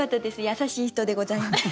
優しい人でございます。